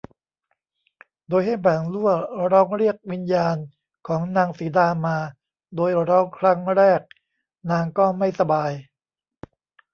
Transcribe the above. โดยให้บ่างลั่วร้องเรียกวิญญาณของนางสีดามา โดยร้องครั้งแรกนางก็ไม่สบาย